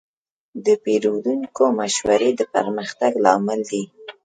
د پیرودونکو مشورې د پرمختګ لامل دي.